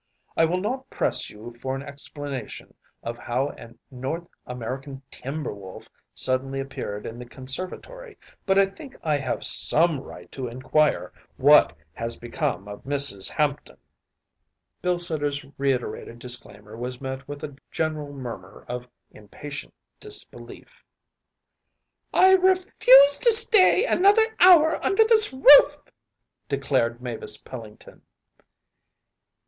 I will not press you for an explanation of how a North American timber wolf suddenly appeared in the conservatory, but I think I have some right to inquire what has become of Mrs. Hampton.‚ÄĚ Bilsiter’s reiterated disclaimer was met with a general murmur of impatient disbelief. “I refuse to stay another hour under this roof,‚ÄĚ declared Mavis Pellington.